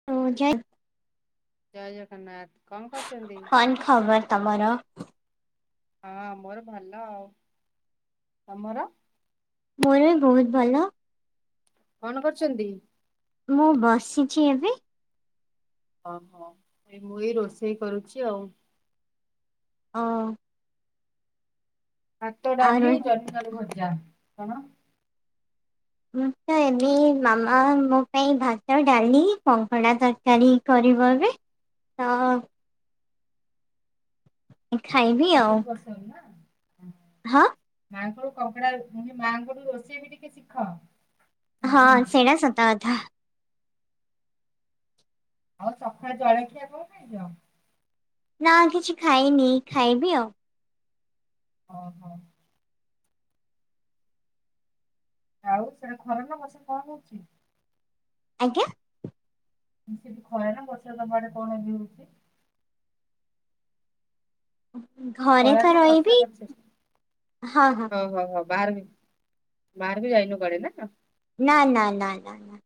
[unintelligible] ଜୟ ଜଗନ୍ନାଥ କଣ କରୁଥିଲେ? କଣ ଖବର ତମର? ହଁ ମୋର ଭଲ ଆଉ, ତମର? ମୋର ବି ବହୁତ ଭଲ। କଣ କରୁଛନ୍ତି? ମୁଁ ବସିଛି ଏବେ। ଓହୋ ଏଇ ମୁଁ ଏଇ ରୋଷେଇ କରୁଛି ଆଉ। ହଁ। ଭାତ ଆଉ ରୋ ଡାଲି ଜନହିଁ ଆଳୁ ଭଜା, କଣ? ମୁଁ ତ ଏମେ ମାମା ମୋ ପାଇଁ ଭାତ ଡାଲି କଙ୍କଡ଼ା ତରକାରୀ। କରିବ ଏବେ ତ ଏ ଖାଇବି ଆଉ। ପସନ୍ଦ ନା। ହଁ। ମାଆଙ୍କରୁୁ କଙ୍କଡା ମୁ କଉଚି ମାଆଙ୍କଠୁ ରୋଷେଇ ବି ଟିକେ ଶିଖ। ହଁ ସେଡ଼ା ସତ କଥା। ଆଉ ସକାଳେ ଜଳଖିଆ କଣ ଖାଇଚ? ନା କିଛି ଖାଇନି, ଖାଇବି ଆଉ। ଓହୋ। ଆଉ ସେଟା ଖରା ନା ବର୍ଷା କଣ ହୋଉଚି? ଆଜ୍ଞା। ସେଠି ଖରା ନା ବର୍ଷା ତମ ଆଡେ କଣ ଏବେ ହୋଉଚି? ଘ ଖରା ନା ବର୍ଷା କରିଛି ଆଜି ଓ ହଁ ହଁ ହଉ ହଉ ହଉ ବାହାର ବି ବାହାର ବି ଯାଇନୁ କୁଆଡେ ନା। ନା ନା ନା ନା ନା।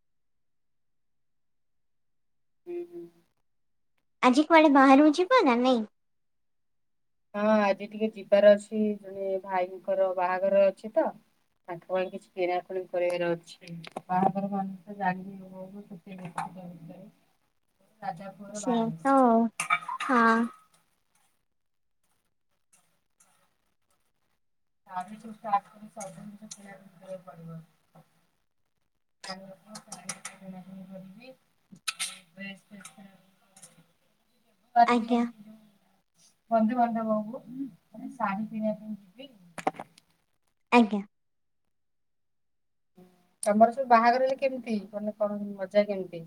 ଉଁ ହୁଁ। ଆଜି କୁଆଡେ ବାହାରକୁ ଯିବ ନା ନାଇଁ। ହଁ ଆଜି ଟିକେ ଯିବାର ଅଛି ଜଣେ ଭାଇଙ୍କର ବାହାଘର ଅଛି ତ। ତାଙ୍କ ପାଇଁ କିଛି କିଣାକଣି କରିବାର ଅଛି ବାହାଘର ମାନେ ତ ଜାଣି ଥିବ। ସେଇଆ ତ [unintelligible] ଆଉ। ହଁ। ତା ବି ସବୁ ଜିନିଷ କିଣା କିଣି କରିବାକୁ ପଡିବ। [unintelligible] ଆଉ ଡ୍ରେସ୍ ଆଜ୍ଞା [unintelligible] ବନ୍ଧୁ ବାନ୍ଧବ ଙ୍କୁ ଶାଢ଼ୀ କିଣିବା ପାଇଁ ଯିବି। ଆଜ୍ଞା। ତମର ସବୁ ବାହାଘରରେ କେମିତି ମାନେ କଣ ମଜା କେମିତି?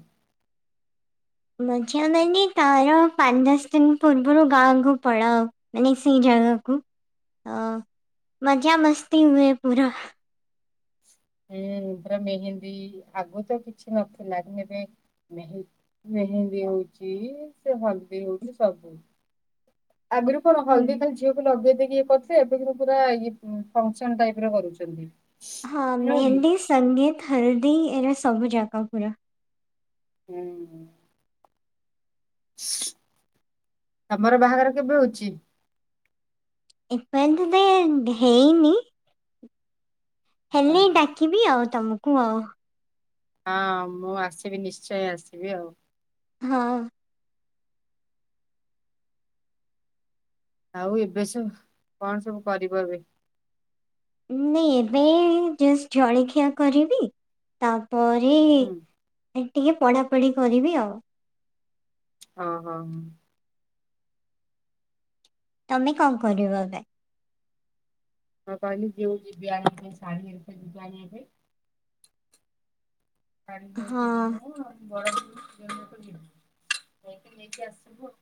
ମଜା ମାନେ ତାର ପାଞ୍ଚ ଦଶ ଦିନ ପୂର୍ବରୁ ଗାଁକୁ ପଳାଉ। ମାନେ ସେଇ ଜାଗାକୁ ଅ ମଜା ମସ୍ତି ହୁଏ ପୁରା। ଏ ପୁରା ମେହେନ୍ଦୀ ଆଗରୁ ତ କିଛି ନଥିଲା କି ଏବେ ମେହେ ମେହେନ୍ଦୀ ହଉଚି ସେ ହଲଦି ହଉଚି ସବୁ। ଆଗରୁ କଣ ହଳଦୀ [unintelligible] ଝିଅକୁ ଲଗେଇ ଦେଇକି ଇଏ କରିଥିଲେ ଏବେ କିନ୍ତୁ ପୁରା ଇଏ ଫଙ୍କସନ ଟାଇପ ର କରୁଛନ୍ତି। ହଁ ନୁହଁ କି ମେହେନ୍ଦି ସଙ୍ଗୀତ ହଲଦୀ ଏରା ସବୁ ଜାକ ପୁରା। ହୁଁ ହୁଁ। ତମର ବାହାଘର କେବେ ହଉଚି? ଏବେ ତ ଏବେ ହେଇନି। ହଁ ହେଲେ ହଁ ଡାକିବି ଆଉ ତମକୁ ଆଉ। ଅ ମୁଁ ଆସିବି ନିଶ୍ଚୟଁ ଆସିବି ଆଉ। ହଁ। ଆଉ ଏବେ ସବ କଣ ସବୁ କରିବ ଏବେ। ନେ ଏବେ ଜଷ୍ଟ ଜଳଖିଆ କରିବି ତାପରେ ହୁଁ ଟିକେ ପଢାପଢି କରିବି ଆଉ। ହଁ ହଁ। ତମେ କଣ କରିବ ଏବେ? ମୁ କହିଲି ଯୋଉ ଯିବେ ଆଣିବେ ସାଢି ଆଣିବା ପାଇଁ କାର କରିକି ହଁ ଜୀମୁ ଆଉ। ବଡ ଜନ୍ମକୁ ଯିବୁ ଯାଇକି ନେଇକି ଆସିବୁ ଆଉ।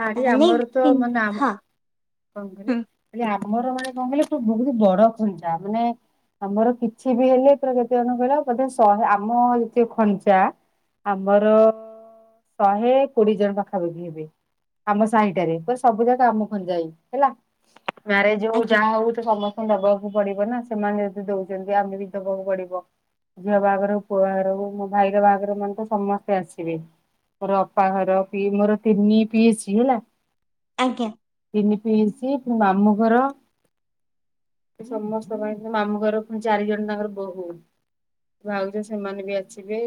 ଶାଢ଼ୀ ତାହେଲେ ଆମର ତ କିନ୍- ମାନେ ଆମ ହଁ କଣ ହୁଁ କହିଲେ ଆମର ମାନେ କଣ କହିଲେ ବହୁତ ବଡ ଖଞ୍ଜା ମାନେ ଆମର କିଛି ବି ହେଲେ ପୁରା କେତେ କଣ କହିଲ ବୋଧେ ଶହେ ଆମଟ ଯେତିକ ଖଞ୍ଜା ଆମର ଶହେ କୋଡିଏ ଜଣ ପାଖାପାଖି ହେବେ ଆମ ସାହିଟାରେ ପୁରା ସବୁ ଜାକ ଆମ ଖଞ୍ଜାରେ। ହେଲା ମ୍ୟାରେଜ ହଉ ଆଜ୍ଞା ଯାହା ହଉ ତ ସମସ୍ତେ ଦବାକୁ ପଡିବ ନା ସେମାନେ ଯଦି ଦଉଛନ୍ତି ଆମେ ବି ଦବାକୁ ପଡିବ। ଝିଅ ବାହାଘର ହୋଉ ପୁଅ ବାହାଘର ହୋଉ ମୋ ଭାଇର ବାହାଘର ମାନେ ତ ସମସ୍ତେ ଆସିବେ। ମୋର ଅପାଘର ପିଇ ମୋର ତିନି ପିଇସି ହେଲା। ଆଜ୍ଞା ତିନି ପିଇସି ପୁଣି ମାମୁଁ ଘର। ସମସ୍ତଙ୍କ ପାଇଁ ମାମୁ ଘର ପୁଣି ଚାରି ଜଣ ତାଙ୍କର ବୋହୂ। ଭାଉଜ ସେମାନେ ବି ଆସିବେ।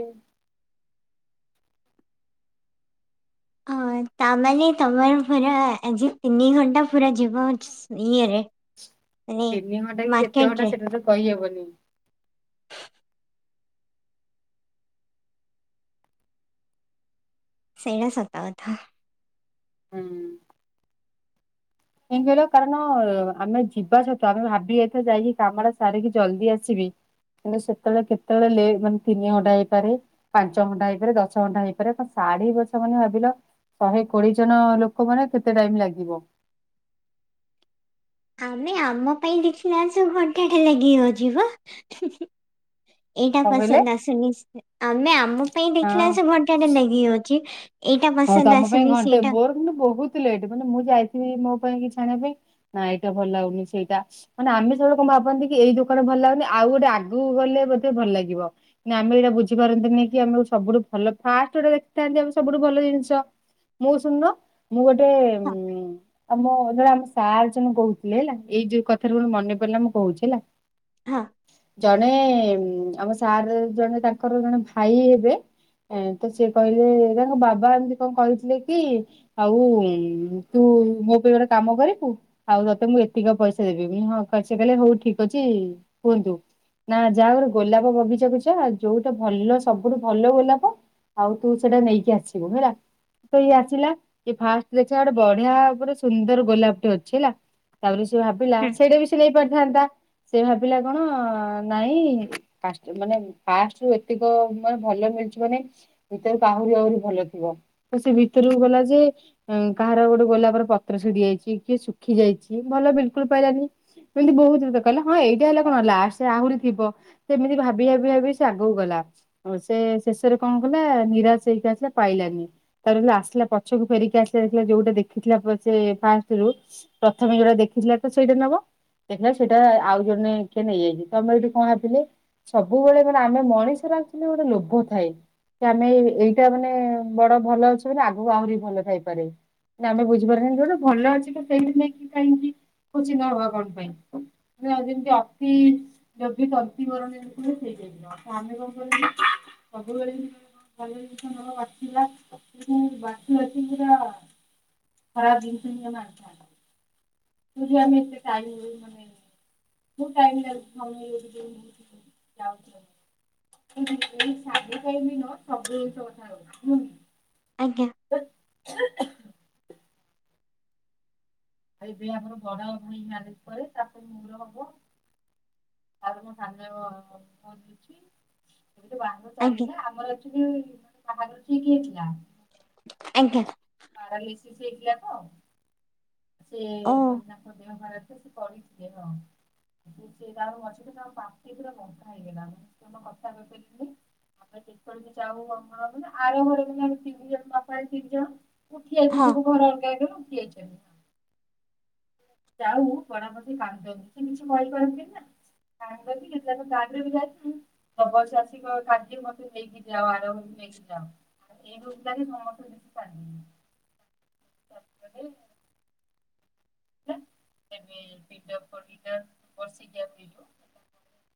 ହଁ ତାମାନେ ତମର ପୁରା ଆଜି ତିନି ଘଣ୍ଟା ପୁରା ଯିବ। ଇଏରେ ମାନେ ତିନି ଘଣ୍ଟା କି କେତେ ମାର୍କେଟରେ ଘଣ୍ଟା ସେଇଟା ତ କହିହେବନି। ସେଇଟା ସତ କଥା। ହୁଁ କାହିଁ କହିଲ, କାରଣ ଆମେ ଯିବା ସତ ଆମେ ଭାବି ଯାଇଥିବା ଯାଇକି କାମରା ସାରିକି ଜଲ୍ଦି ଆସିବି କିନ୍ତୁ ସେତେବେଳେ, କେତେବେଳେ ଲେ ମାନେ ତିନି ଘଣ୍ଟା ହେଇପାରେ ପାଞ୍ଚ ଘଣ୍ଟା ହେଇପାରେ, ଦଶ ଘଣ୍ଟା ହେଇପାରେ, ସାଢି ବଛା ମାନେ ଭାବିଲ ଶହେ କୋଡିଏ ଜଣ ଲୋକ ମାନେ କେତେ ଟାଇମ୍ ଲାଗିବ? ଆମେ ଆମ ପାଇଁ ଦେଖିଲା ଆଳୁ ସବୁ ଘଣ୍ଟା ଟେ ଲାଗିଜାଉଛିି ପା ହିଁ ହିଁ। ଏଇଟା କଣ କହିଲେ ପସନ୍ଦ ଆସୁନି, ଆମେ ଆମ ଆମ ପାଇଁ ହଁ। ଦେଖିଲା ଆଳୁ ସେ ଘଣ୍ଟାଟେ ଲାଗିଯାଉଛି। ଏଇଟା ପସନ୍ଦ ଆସୁନି ସେଇଟା ମାନେ ବୋହୁତ୍ ଲେଟ୍, ମାନେ ମୁଁ ଯାଇଥିବି ମୋ ପାଇଁ କିଛି ଆଣିବା ପାଇଁ ନା ଏଇଟା ଭଲ ଲାଗୁନି ସେଇଟା ମାନେ ଆମେ ସବୁବେଳେ କଣ ଭାବନ୍ତି କି, ଏଇ ଦୋକାନ ଭଲ ଲାଗୁନି ଆଉ ଗୋଟେ ଆଗକୁ ଗଲେ ବୋଧେ ଭଲ ଲାଗିବ। ନା ଆମେ ଏଇଟା ବୁଝିପାରନ୍ତିନି କି, ଆମେ ସବଠୁ ଭଲ ଫାଷ୍ଟ ଯୋଉଟା ଦେଖିଥାନ୍ତି ଆମେ ସବୁଠୁ ଭଲ ଜିନ୍ସ ମୁଁ ଶୁଣୁନ, ମୁଁ ଗୋଟେ ହଁ ଉ ଆମ ଜଣେ ଆମ ସାର୍ ଜଣେ କହୁଥିଲେ ହେଲା। ଏଇ ଯୋଉ କଥାରୁ ମୋର ମନେ ପଡିଲା ମୁଁ କହୁଛି ହେଲା। ହଁ। ଜଣେ ଆମ ସାର୍ ଜଣେ ତାଙ୍କର ଜଣେ ଭାଇ ହେବେ ଏଁ ତ ସିଏ କହିଲେ, ତାଙ୍କ ବାବା ଏମିତି କଣ କହିଥିଲେ କି ଆଉ ତୁ ମୋ ପାଇଁ ଗୋଟେ କାମ କରିବୁ। ଆଉ ତତେ ମୁଁ ଏତିକ ପଇସା ଦେବି। ମୁ ହଁ ସିଏ କହିଲେ ହଉ ଠିକ୍ ଅଛି କୁହନ୍ତୁ। ନା ଯା ଗୋଟେ ଗୋଲାପ ବଗିଚାକୁ ଜା, ଯୋଉଟା ଭଲ ସବୁଠୁ ଭଲ ଗୋଲାପ ଆଉ ତୁ ସେଟା ନେଇକି ଆସିବୁ ହେଲା। ତ ଇଏ ଆସିଲା, ଇଏ ଫାଷ୍ଟ ଦେଖଲା ଗୋଟେ ବଢିଆ ପୁରା ସୁନ୍ଦର ଗୋଲାପ ଟିଏ ଅଛି ହେଲା ତାପରେ ସେ ଭାବିଲା, ହୁଁ ସେଇଟା ବି ସେ ନେଇ ପାରିଥାନ୍ତା। ସେ ଭାବିଲା କଣ ନାଇଁ ଫାଷ୍ଟ୍ ମାନେ ଫାଷ୍ଟ୍ ରୁ ଏତିକ ମାନେ ଭଲ ମିଳୁଛି ମାନେ, ଭିତରକୁ ଆହୁରି ଆହୁରି ଭଲ ଥିବ। ତ ସେ ଭିତରକୁ ଗଲା ଯେ କାହାର ଗୋଟେ ଗୋଲାପର ପତ୍ର ଛିଡି ଯାଇଛି। କିଏ ଶୁଖି ଯାଇଛି ଭଲ ବିଲ୍ କୁଲ୍ ପାଇଲାନି। ଏମିତି ବୋହୁତ୍ କଥା କହିଲେ। ହଁ ଏଇଟା ହେଲେ କଣ, ଲାଷ୍ଟ ରେ ଆହୁରି ଥିବ। ସେମିତି ଭାବି ଭାବି ଭାବି ସେ ଆଗକୁ ଗଲା, ସେ ଶେଷରେ କଣ କଲା ନିରାଶ ହେଇକି ଆସିଲା ପାଇଲାନି। ତାପରେ ଆସିଲା ପଛକୁ ଫେରିକି ଆସିଲା ଯୋଉଟା ଦେଖିଥିଲା ସେ ଫାଷ୍ଟରୁ ପ୍ରଥମେ ଯୋଉଟା ଦେଖିଥିଲା ତ ସେଇଟା ନବ ଦେଖିଲା ସେଇଟା ଆଉ ଜଣେ କିଏ ନେଇଯାଇଛି। ତମେ ଏଠି କଣ ଭାବିଲେ? ସବୁବେଳେ ମାନେ ଆମେ ମଣିଷର ଆକ୍ଚୁଲି ଗୋଟେ ଲୋଭ ଥାଏ। କି ଆମେ ଏଇଟା ମାନେ ମାନେ ବଡ ଭଲ ଅଛି ମାନେ, ଆଗକୁ ଆହୁରି ଭଲ ଥାଇପାରେ। ନା ଆମେ ବୁଝିପାରୁନା, ଯୋଉଟା ଭଲ ଅଛି ତ ସେଇଠି ନେଇକି କାହିଁକି କୋଚିନ ହବା କଣ ପାଇଁ। ମେ ଯେମତି ଆତି ଜଦୀ ତନ୍ତି ମରଣ ହୁଏ ସେଇଥିପାଇଁ। ତ ଆମେ କଣ କହିଲୁ, ସବୁବେଳେ ଭ ଲ, ବାଛିଲା ମୁ ବାଛି ବାଛି ପୁରା [unintelligible] କୋଉଠୁ ଆମେ ଏତେ ଟାଇମ୍ ଦବୁ ମାନେ ବୋହୁତ୍ ଟାଇମ୍ ଲାଗୁଛି ଯାଉ [unintelligible] ଆଜ୍ଞା। ଆ ଏବେ ଆମର ବଡ ଭାଇ ମ୍ୟାରେଜ୍ ପରେ ତା ପରେ ମୋର ହବ। ତା ପରେ ମୋ ସାନ [unintelligible] ଅଛି। ଏବେଠୁ ବାହଘର ଆଜ୍ଞା ଚାଲିଲା। ଆମର ଆକ୍ଚୁଆଲି ବାହାଘର ଠିକ୍ ହେଇଥିଲା ଆଜ୍ଞା। ପାରଲିଶିସ୍ ହେଇଥିଲା ତ ସେ ଓ କଣ ତି, ତାଙ୍କ ଦେହ ଖରାପ ତ ସେ ପଡିଥିଲେ ହଁ। ସେ ଜାହା ହଉ ବଞ୍ଚି ଥିଲେ ତାଙ୍କ ତଣ୍ଟି ପୁରା ବଥା ହେଇଗଲା ସେ ଜମା କଥା କହିପାରିଲେନି। ଆମେ ଯେତେବେଳେ ବି ଯାଉ [unintelligible] ମାନେ ଆର ଘରେ ମ ଆମେ ତିନି ଜଣ ବାପା ତିନି ଜଣ ଉଠି ଆଇଛୁ ହଁ ସବୁ ଘର ଅଲଗା ହେଇଗଲା ଉଠି ଯାଇଛୁ। ଯାହଉ ପଡା ପ କାନ୍ଦନ୍ତୀ ସେ କିଛି କହିପାରନ୍ତିି ନା। [unintelligible] ନବ ସେ ଆସିକି କହିବ [unintelligible] ମତେ ନେଇକି ଯାଅ ଆରମ୍ରେ ନେଇକି ଯାଅ। ଏଇ ରୁଲ ଟା ବି ସମସ୍ତେ ବେଶି ପାରିବେନି। ଏବେ ଏଇ ପିଣ୍ଡ ପଡ଼ିଲା ବର୍ଷିକିଆ ପିଣ୍ଡ।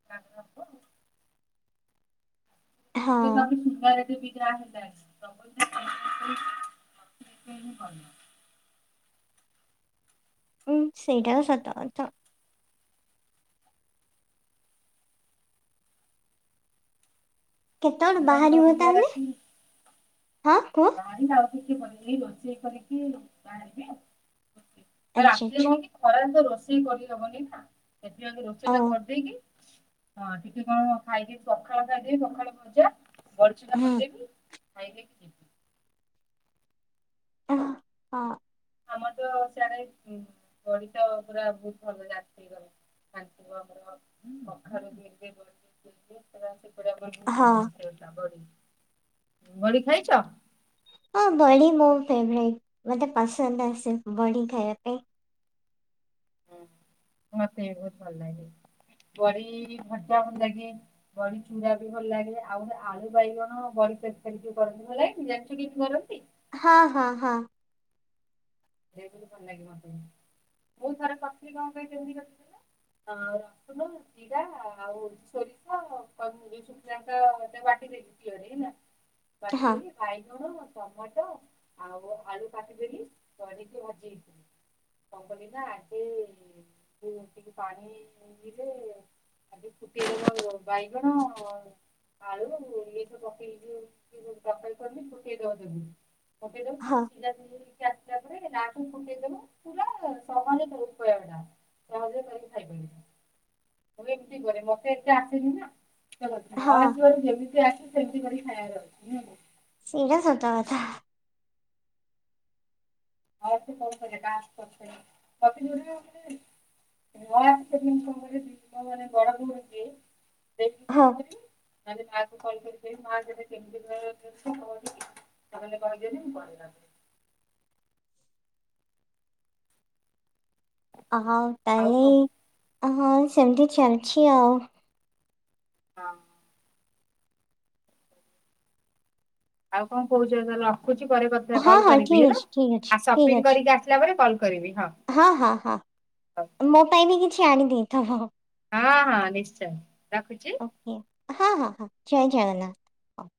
[unintelligible] ହଁ [unintelligible] [unintelligible] ହଁ ସେଇଟା ତ ସତ କଥା। କେତେବେଳୁ ବାହାରିବ ବୁଲିବାର ତାହେଲେ ଅଛି ହଁ କୁହ। [unintelligible] ଆଚ୍ଛା ରାତିରେ ଆଚ୍ଛା କଣ କି ଖରାରେ ତ ରୋଷେଇ କରିହବନି ନା ସେଥିପାଇଁ ଓ ରୋଷେଇ ଟା କରିଦେଇକି ହଁ ଟିକେ କଣ ଖାଇଦେଇକି ପଖାଳ ଖାଇଦେବି ପଖାଳ ଭଜା। ବଢ଼ି ଚୁରା ହୁଁ କରିଦେବି ଖାଇଦେଇ କି ଯିବି। ଓଃ ହଁ। ଆମର ତ ସିଆଡେ [unintelligible] [unintelligible] [unintelligible] ବୋହୁତ ଫେମସ୍ ସେଇଟା ବଡି ବଡ଼ି ଖାଇଛ। ହଁ ବଢି ମୋ ଫେବରେଟ ମତେ ପସନ୍ଦ ଆସେ ବଢି ଖାଇବା ପାଇଁ। ହୁଁ ମତେ ବି ବହୁତ ଭଲ ଲାଗେ ବଢି ଭଜା ଭଲ ଲାଗେ। ବଢି ଚୁରା ବି ଭଲ ଲାଗେ ଆଉ ଆଳୁ ବାଇଗଣ ବଢି ତରକାରୀ ଯୋଉ କରନ୍ତି ଭଲ ଲାଗେନି ଜାଣିଛୁ କେମିତି କରନ୍ତି। ହଁ ହଁ ହଁ। ସେଥିରୁ ଭଲ ଲାଗେ ମତେ ମୁଁ ଥରେ କରିଥିଲି କଣ କହି କେମିତି କରିଥିଲି କହନି। ଆ ରସୁଣ ଜିରା ଆଉ ସୋରିଷ ପାନ ମ ଏଇସବୁ ପିଆଜ ଅଦା ବାଟି ଦେଇକି ଶିଳରେ ହେଲା। ବାଟିଦେଲି ବାଇଗଣ ଟମାଟୋ ଆଉ ଆଳୁ କାଟିଦେଲି ବଡିକୁ ଭାଜି ଦେଇଥିଲି କଣ କଲି ନା ଆଗେ ସେ ଟିକେ ପାଣି ଇରେ ଖାଲି ଫୁଟେଇଦବ ଅ ବାଇଗଣ ଆଳୁ ଏଇ ସବୁ ପକେଇକି ଏ ଯୋଉ ତରକାରି କରନି ଫୁଟେଇ ଦବ ସେଇ [unintelligible] ହଁ। [unintelligible] ସହଜରେ କରିକି ଖାଇ ଦେବେ। ମୁଁ ଏମିତି କରେ ମତେ ଏତେ ଆସନି ନା ସେ କଥା ନ ଆସିବାରୁ ଯେମିତି ଆସିବ ସେମତି କରିକି ଖାଇାବାର ଅଛି ନୁହଁ। ସେଇଟା ସତ କଥା। [unintelligible] [unintelligible] [unintelligible] ଆ ହଉ ତାହେଲେ ଅ ହଉ ସେମିତି ଚାଲିଛି ଆଉ। ହଁ। ଆଉ କଣ କହୁଛ ତଲେ ରଖୁଛି ପରେ କ ହଁ କଲ ହଁ କରିବି ଠିକ୍ ହେଲା ଅଛି ଠିକ୍ ଅଛି ଆଉ ଠିକ୍ ସପିଙ୍ଗ ଅଛି କରିକି ଆସ ଲା ପରେ କଲ୍ କରିବି ହଁ। ହଁ ହଁ ହଁ ମୋ ପାଇଁ ବି କିଛି ଆଣିଦେଇଥ ହଁ। ହଁ ହଁ ନିଶ୍ଚୟ ରଖୁଛି। ହଁ ହଁ ହଁ ଜୟ ଜଗନ୍ନାଥ।